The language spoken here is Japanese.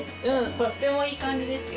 とってもいい感じですよ。